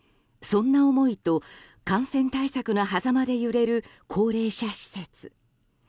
そんな思いと感染対策のはざまで揺れる高齢者施設。